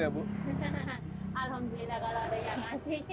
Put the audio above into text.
alhamdulillah kalau ada yang ngasih